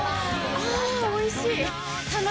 あぁおいしい！